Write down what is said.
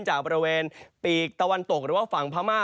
จากบริเวณปีกตะวันตกหรือว่าฝั่งพม่า